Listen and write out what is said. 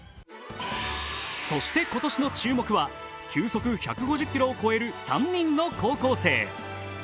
そして今年の注目は、急速１５０キロを超える３人の高校生。